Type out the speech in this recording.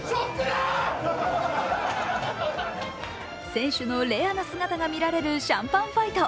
選手のレアな姿が見られるシャンパンファイト。